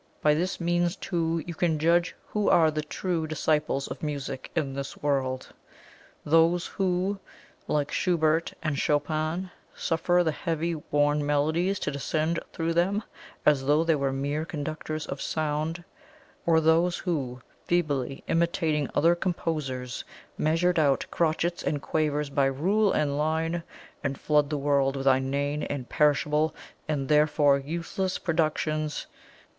By this means, too, you can judge who are the true disciples of music in this world those who, like Schubert and Chopin, suffered the heaven born melodies to descend THROUGH them as though they were mere conductors of sound; or those who, feebly imitating other composers, measure out crotchets and quavers by rule and line, and flood the world with inane and perishable, and therefore useless, productions.